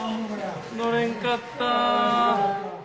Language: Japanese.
乗れんかった。